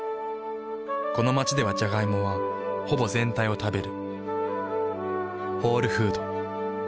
この街ではジャガイモはほぼ全体を食べる。